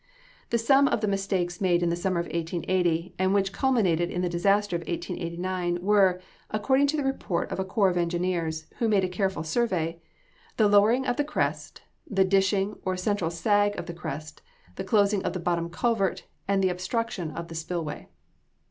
The sum of the mistakes made in the summer of 1880, and which culminated in the disaster of 1889, were, according to the report of a corps of engineers, who made a careful survey, "the lowering of the crest, the dishing, or central sag of the crest, the closing of the bottom culvert, and the obstruction of the spill way."